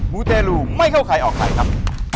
มูเตรลูไม่เข้าใครออกใครครับ